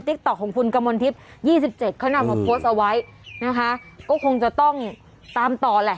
ต๊อกของคุณกมลทิพย์ยี่สิบเจ็ดเขานำมาโพสต์เอาไว้นะคะก็คงจะต้องตามต่อแหละ